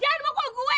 jangan bokol gue